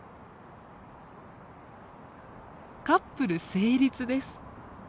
カップル成立です。